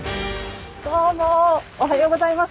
どうもおはようございます。